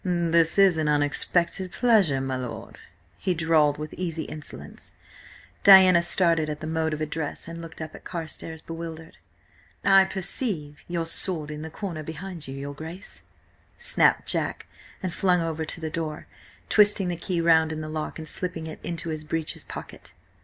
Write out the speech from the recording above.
"This is an unexpected pleasure, my lord," he drawled with easy insolence. Diana started at the mode of address and looked up at Carstares, bewildered. "I perceive your sword in the corner behind you, your Grace!" snapped Jack, and flung over to the door, twisting the key round in the lock and slipping it into his breeches pocket.